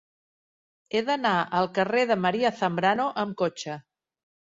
He d'anar al carrer de María Zambrano amb cotxe.